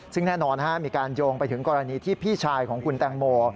ซึ่งแน่นอนมีการโยงไปถึงกรณีที่พี่ชายของคุณแตงโม